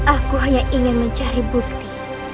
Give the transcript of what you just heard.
aku hanya ingin mencari bukti